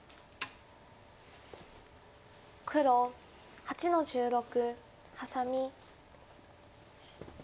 黒８の十六ハサミ。